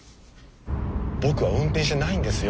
僕は運転してないんですよ。